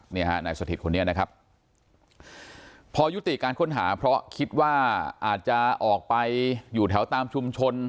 นี่ฮะนายสถิตคนนี้นะครับพอยุติการค้นหาเพราะคิดว่าอาจจะออกไปอยู่แถวตามชุมชน